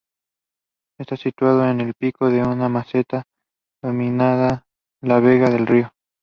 Está situado en el pico de una meseta dominando la vega del río Tajuña.